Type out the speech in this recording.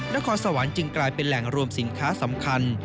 นครสวรรค์จึงกลายเป็นแหล่งรวมสินค้าสำคัญ